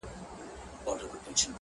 o خو بدلون ورو روان دی تل,